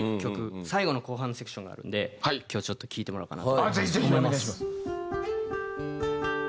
最後の後半のセクションがあるので今日ちょっと聴いてもらおうかなと。